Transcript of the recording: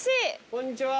こんにちは。